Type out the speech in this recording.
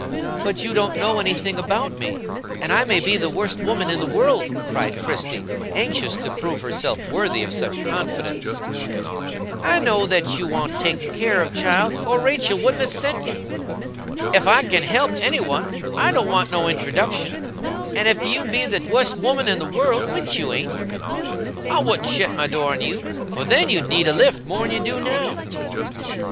"But you don't know any thing about me, and I may be the worst woman in the world," cried Christie, anxious to prove herself worthy of such confidence. "I know that you want takin' care of, child, or Rachel wouldn't a sent you. Ef I can help any one, I don't want no introduction; and ef you be the wust woman in the world (which you ain't), I wouldn't shet my door on you, for then you'd need a lift more'n you do now."